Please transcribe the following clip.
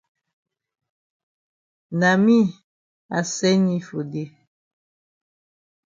Na me I send yi for dey.